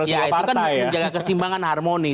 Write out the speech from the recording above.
ya itu kan menjaga kesimbangan harmoni